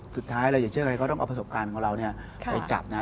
สุดท้ายเราอย่าเชื่อใครก็ต้องเอาประสบการณ์ของเราเนี่ยไปจับนะ